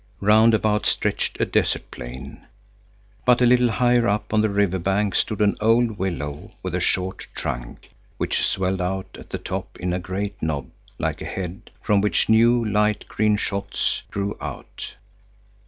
Round about stretched a desert plain. But a little higher up on the river bank stood an old willow with a short trunk, which swelled out at the top in a great knob like a head, from which new, light green shoots grew out.